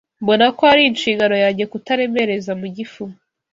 Mbona ko ari inshingano yanjye kutaremereza mu gifu